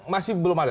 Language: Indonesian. masih belum ada